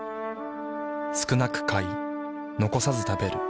少なく買い残さず食べる。